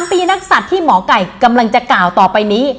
ปีนักศัตริย์ที่หมอไก่กำลังจะกล่าวต่อไปนี้